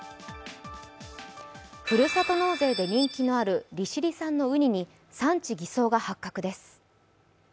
ふるさと納税で人気のある利尻産のうにに産地偽装が発覚です。